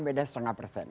beda setengah persen